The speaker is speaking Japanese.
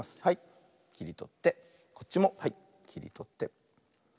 はいきりとってこっちもきりとって。